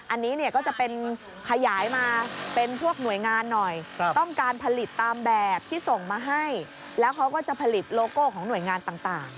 อันนี้เนี่ยก็จะเป็นขยายมาเป็นพวกหน่วยงานหน่อยต้องการผลิตตามแบบที่ส่งมาให้แล้วเขาก็จะผลิตโลโก้ของหน่วยงานต่าง